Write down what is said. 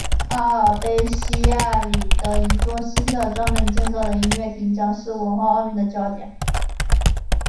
阿尔卑西亚里的一座新的专门建造的音乐厅将是文化奥运的焦点。